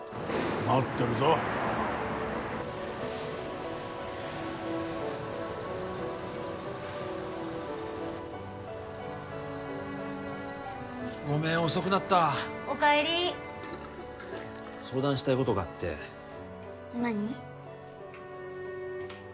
待ってるぞごめん遅くなったおかえり相談したいことがあって何？